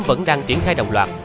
vẫn đang triển khai đồng loạt